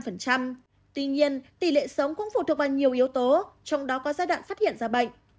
tuy nhiên tỷ lệ sống cũng phụ thuộc vào nhiều yếu tố trong đó có giai đoạn phát hiện ra bệnh